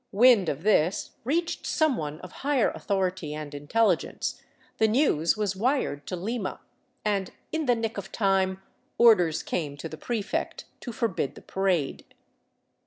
Wind of this reached some one of higher authority and intelligence, the news was wired to Lima, and in the nick of time orders came to the prefect to forbid the parade.